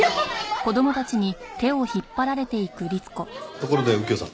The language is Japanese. ところで右京さん。